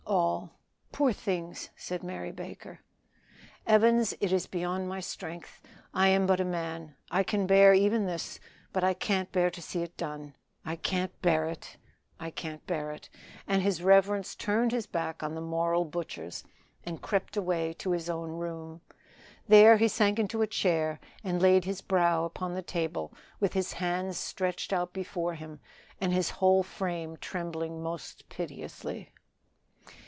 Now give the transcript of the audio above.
"All." "Poor things!" said Mary Baker. "Evans, it is beyond my strength I am but a man; I can bear even this, but I can't bear to see it done. I can't bear it! I can't bear it!" And his reverence turned his back on the moral butchers, and crept away to his own room. There he sank into a chair and laid his brow upon the table with his hands stretched out before him and his whole frame trembling most piteously.